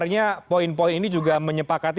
ya itu kan